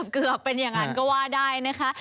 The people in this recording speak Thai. เกือบเป็นอย่างนั้นก็ว่าได้นะคะ